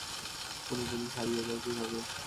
কোন জিনিস হারিয়ে যায় কীভাবে!